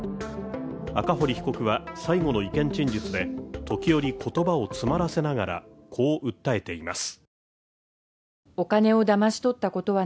赤堀被告は、最後の意見陳述で時折言葉を詰まらせながら、こう訴えています。